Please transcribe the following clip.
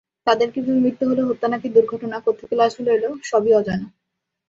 কীভাবে তাঁদের মৃত্যু হলো, হত্যা নাকি দুর্ঘটনা, কোত্থেকে লাশগুলো এল—সবই অজানা।